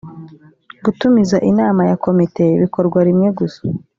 gutumiza inama ya komite bikorwa rimwe gusa